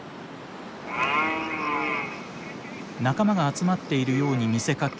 仲間が集まっているように見せかけ